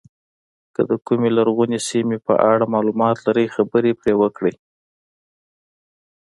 که د کومې لرغونې سیمې په اړه معلومات لرئ خبرې پرې وکړئ.